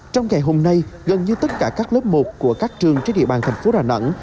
trong ngày hôm nay gần như tất cả các lớp một của các trường trên địa bàn thành phố đà nẵng